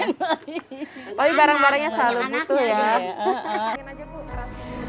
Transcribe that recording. tapi barang barangnya selalu butuh ya